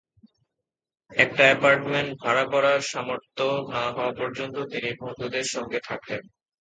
একটা অ্যাপার্টমেন্ট ভাড়া করার সামর্থ্য না হওয়া পর্যন্ত তিনি বন্ধুদের সঙ্গে থাকতেন।